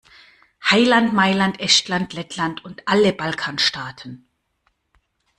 Heiland, Mailand, Estland, Lettland und alle Balkanstaaten!